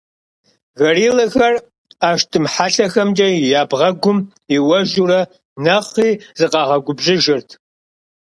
Гориллэхэр ӏэштӏым хьэлъэхэмкӏэ я бгъэгум иуэжурэ, нэхъри зыкъагъэгубжьыжырт.